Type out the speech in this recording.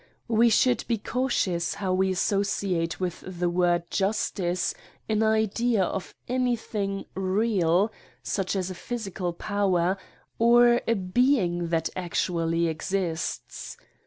We should be cautious how we associate with the word justice an idea of any thing real, such as a physical power, or a being that actually exists.